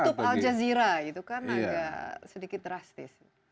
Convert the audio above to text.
tutup al jazeera itu kan agak sedikit drastis